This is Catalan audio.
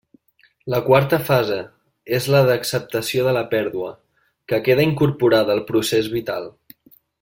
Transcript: La quarta fase és la d'acceptació de la pèrdua, que queda incorporada al procés vital.